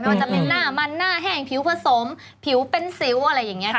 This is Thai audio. ว่าจะเป็นหน้ามันหน้าแห้งผิวผสมผิวเป็นสิวอะไรอย่างนี้ค่ะ